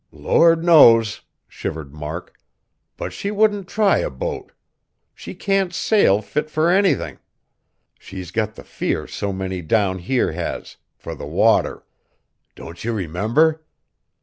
"Lord knows!" shivered Mark, "but she wouldn't try a boat. She can't sail fit fur anythin'. She's got the fear so many down here has fur the water. Don't you remember?"